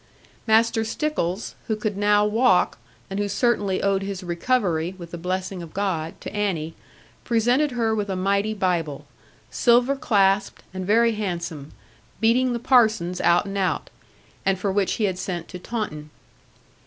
Master Stickles, who now could walk, and who certainly owed his recovery, with the blessing of God, to Annie, presented her with a mighty Bible, silver clasped, and very handsome, beating the parson's out and out, and for which he had sent to Taunton.